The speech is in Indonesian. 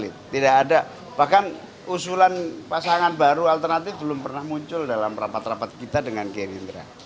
tidak ada bahkan usulan pasangan baru alternatif belum pernah muncul dalam rapat rapat kita dengan gerindra